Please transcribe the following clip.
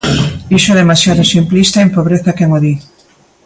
Iso é demasiado simplista e empobrece a quen o di.